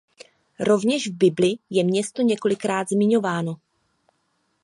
Rovněž v Bibli je město několikrát zmiňováno.